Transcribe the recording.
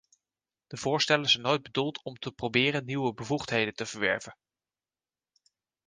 De voorstellen zijn nooit bedoeld om te proberen nieuwe bevoegdheden te verwerven.